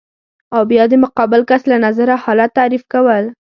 او بیا د مقابل کس له نظره حالت تعریف کول